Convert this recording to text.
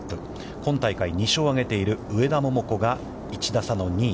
今大会２勝を上げている上田桃子が１打差の２位。